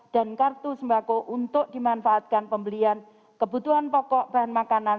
dan kartu sembako untuk dimanfaatkan pembelian kebutuhan pokok bahan makanan